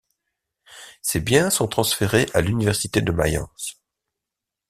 Ses biens sont transférés à l'Université de Mayence.